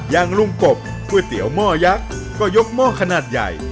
อย่างลุงกบก๋วยเตี๋ยวหม้อยักษ์ก็ยกหม้อขนาดใหญ่